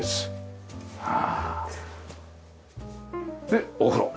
でお風呂。